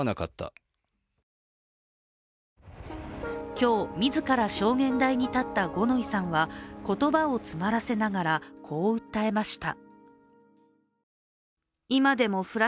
今日、自ら証言台に立った五ノ井さんは言葉を詰まらせながら、こう訴えました。